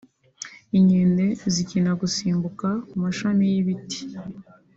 inkende zikina gusimbuka ku mashami y’ibiti